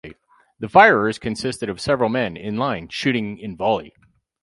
The firers consisted of several men in line shooting in volley.